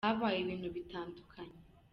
Habaye ibintu bitandukanye.